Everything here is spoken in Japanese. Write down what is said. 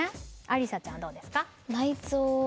アリサちゃんはどうですか？